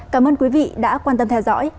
cảm ơn quý vị đã quan tâm theo dõi